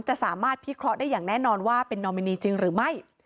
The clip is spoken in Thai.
สามารถพิเคราะห์ได้อย่างแน่นอนว่าเป็นนอมินีจริงหรือไม่